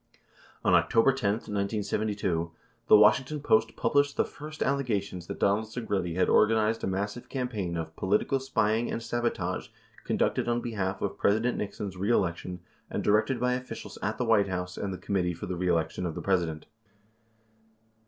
55 On October 10, 1972, the Washington Post published the first alle gations that Donald Segretti had organized a massive campaign of "political spying and sabotage conducted on behalf of President Nixon's reelection and directed by officials at the White House and the Committee for the Reelection of the President."